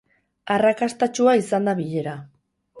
Arrakastatsua izan da bilera.